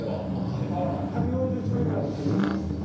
１４０種類ぐらい弊社はあるんですね。